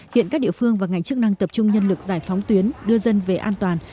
hiện các địa phương và ngành chức năng tập trung nhân lực giải phóng tuyến đưa dân về an toàn